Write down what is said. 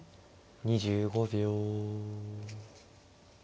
２５秒。